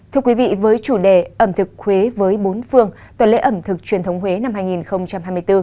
thưa quý vị với chủ đề ẩm thực huế với bốn phương tuần lễ ẩm thực truyền thống huế năm hai nghìn hai mươi bốn